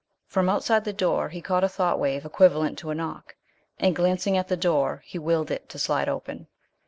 From outside the door he caught a thought wave equivalent to a knock, and, glancing at the door, he willed it to slide open.